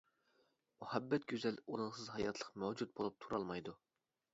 مۇھەببەت گۈزەل، ئۇنىڭسىز ھاياتلىق مەۋجۇت بولۇپ تۇرالمايدۇ.